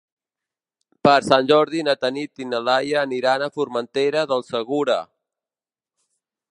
Per Sant Jordi na Tanit i na Laia aniran a Formentera del Segura.